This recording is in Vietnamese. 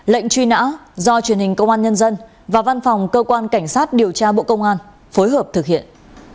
lệnh truy nã do truyền hình công an nhân dân và văn phòng cơ quan cảnh sát điều tra bộ công an phối hợp thực hiện